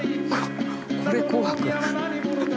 これ「紅白」？